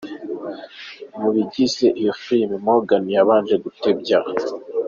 mu bigize iyo filime, Morgan yabanje gutebya .